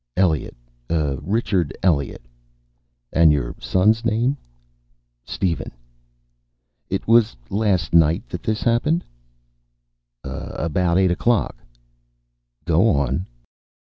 "Elliot. Richard Elliot." "And your son's name?" "Steven." "It was last night this happened?" "About eight o'clock." "Go on."